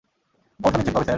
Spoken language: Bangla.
অবসর নিচ্ছেন কবে, স্যার?